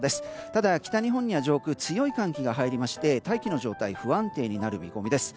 ただ、北日本には上空強い寒気が入りまして大気の状態不安定になる見込みです。